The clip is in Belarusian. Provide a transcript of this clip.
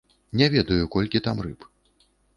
Не ведаю, колькі там рыб.